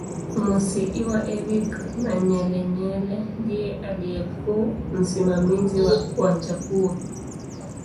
Musiiwa Eric Manyelenyele ndiye aliyekuw msimamizi wa uwanja huo